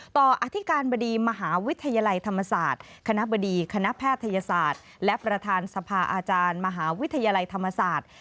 อธิการบดีมหาวิทยาลัยธรรมศาสตร์คณะบดีคณะแพทยศาสตร์และประธานสภาอาจารย์มหาวิทยาลัยธรรมศาสตร์